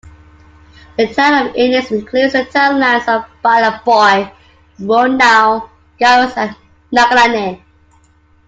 The town of Ennis includes the townlands of Ballaghboy, Bunnow, Gaurus, and Knockanean.